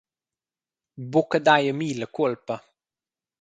Buca dai a mi la cuolpa.